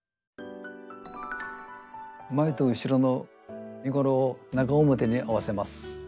前と後ろの身ごろを中表に合わせます。